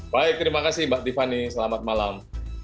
baik terima kasih mbak tiffany selamat malam